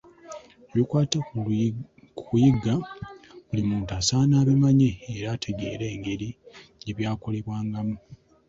Ebikwata ku kuyigga buli muntu asaana abimanye era ategeera engeri gye byakolebwangamu.